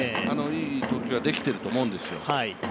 いい投球はできていると思うんですよ。